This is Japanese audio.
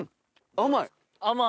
甘い。